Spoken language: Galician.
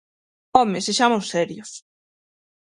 Home, ¡sexamos serios!